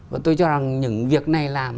và tôi cho rằng những việc này làm